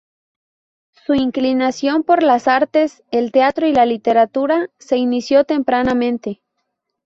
Su inclinación por las artes, el teatro y la literatura se inició tempranamente.